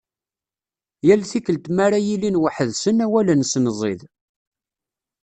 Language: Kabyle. Yal tikkelt mi ara ilin weḥḥed-sen awal-nsen ẓid.